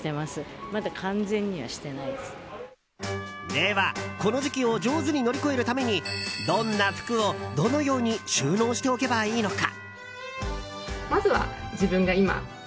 では、この時期を上手に乗り越えるためにどんな服を、どのように収納しておけばいいのか。